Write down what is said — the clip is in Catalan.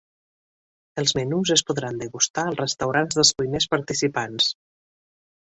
Els menús es podran degustar als restaurants dels cuiners participants.